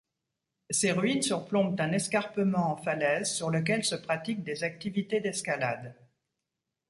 Ces ruines surplombent un escarpement en falaise sur lequel se pratiquent des activités d'escalade.